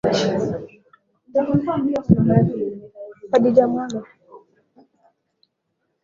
mwanamke huyo alikuwa na hamu kubwa ya kupata watoto wake